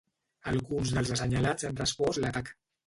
Alguns dels assenyalats han respost l’atac.